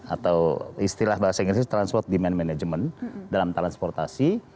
atau istilah bahasa inggris transport demand management dalam transportasi